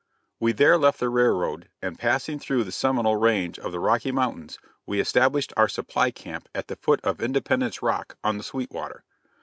We there left the railroad, and passing through the Seminole range of the Rocky Mountains we established our supply camp at the foot of Independence Rock on the Sweetwater.